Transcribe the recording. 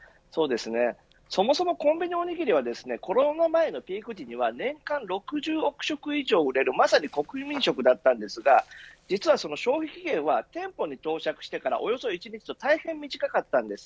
そもそもコンビニおにぎりはコロナ前のピーク時には年間６０億食以上売れるまさに国民食だったんですが実はその消費期限は店舗に到着してからおよそ１日と大変、短かったんです。